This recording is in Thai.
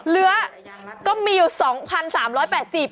เลือดก็ดูอยู่๒๘๔๐บาท